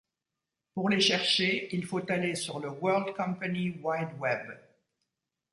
Pour les chercher, il faut aller sur le World Company Wide Web.